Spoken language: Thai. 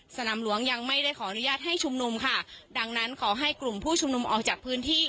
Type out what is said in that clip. สนามหลวงยังไม่ได้ขออนุญาตให้ชุมนุมค่ะดังนั้นขอให้กลุ่มผู้ชุมนุมออกจากพื้นที่